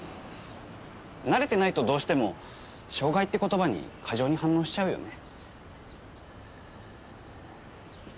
慣れてないとどうしても障害って言葉に過剰に反応しちゃうよね。